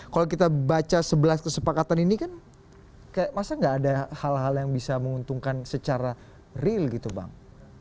kalau kita baca sebelas kesepakatan ini kan masa nggak ada hal hal yang bisa menguntungkan secara real gitu bang